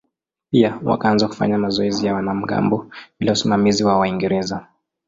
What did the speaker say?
Pia wakaanza kufanya mazoezi ya wanamgambo bila usimamizi wa Waingereza.